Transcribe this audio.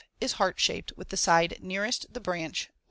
78, is heart shaped with the side nearest the branch largest.